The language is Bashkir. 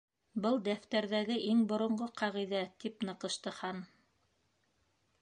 —Был дәфтәрҙәге иң боронғо ҡағиҙә, —тип ныҡышты Хан.